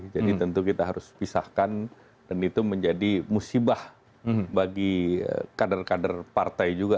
jadi tentu kita harus pisahkan dan itu menjadi musibah bagi kader kader partai juga